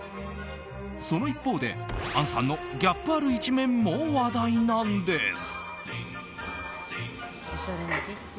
その一方で、杏さんのギャップある一面も話題なんです。